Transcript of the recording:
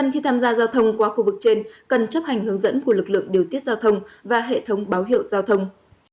khu vực trên cần chấp hành hướng dẫn của lực lượng điều tiết giao thông và hệ thống báo hiệu giao thông